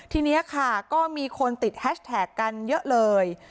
ทีนี้ค่ะก็มีคนติดแฮชแท็กกันเยอะเลย